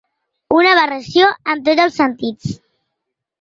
Una aberració en tots els sentits.